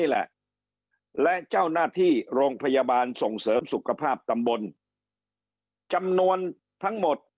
แหละและเจ้าหน้าที่โรงพยาบาลส่งเสริมสุขภาพตำบลจำนวนทั้งหมด